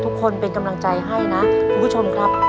ทุกคนเป็นกำลังใจให้นะคุณผู้ชมครับ